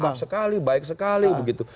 tetap sekali baik sekali begitu